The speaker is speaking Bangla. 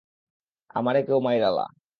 আমারে কেউ মাইরালা!